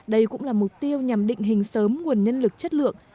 đây cũng là mục tiêu nhằm định hình sớm nguồn nhân lực chất lượng